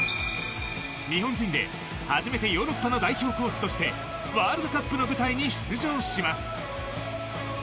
日本人で初めてヨーロッパの代表コーチとしてワールドカップの舞台に出場します。